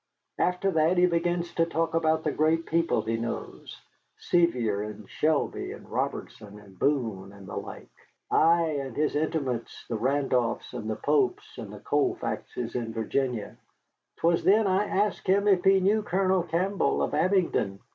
After that he begins to talk about the great people he knows, Sevier and Shelby and Robertson and Boone and the like. Ay, and his intimates, the Randolphs and the Popes and the Colfaxes in Virginia. 'Twas then I asked him if he knew Colonel Campbell of Abingdon."